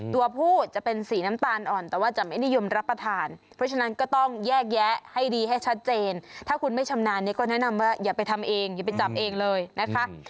ตัวผู้จะเป็นสีน้ำตาลอ่อนแต่ว่าจะไม่นิยมรับประทานเพราะฉะนั้นก็ต้องแยกแยะให้ดีให้ชัดเจนถ้าคุณไม่ชำนาญเนี่ยก็แนะนำว่าอย่าไปทำเองอย่าไปจับเองเลยนะคะ